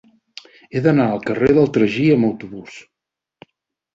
He d'anar al carrer del Tragí amb autobús.